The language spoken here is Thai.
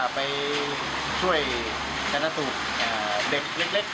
ดูกันไปช่วยศาลทรุกเด็ก